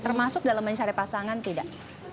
termasuk dalam mencari pasangan tidak